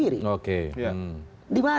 dia tidak menyebarkan